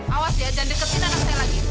awas ya dan deketin anak saya lagi